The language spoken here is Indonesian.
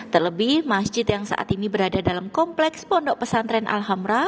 terlebih masjid yang saat ini berada dalam kompleks pondok pesantren al hamra